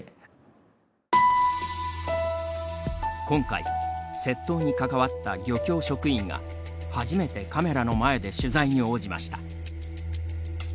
今回、窃盗に関わった漁協職員が、初めてカメラの前で取材に応じました。